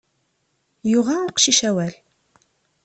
Yuɣa uqcic awal.